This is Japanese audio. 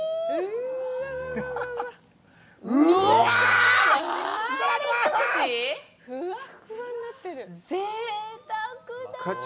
うわぁっ！